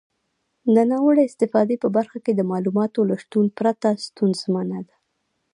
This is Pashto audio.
د ناوړه استفادې په برخه کې د معلوماتو له شتون پرته ستونزمنه ده.